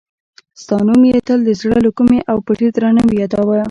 ستا نوم یې تل د زړه له کومې او په ډېر درناوي یادوه.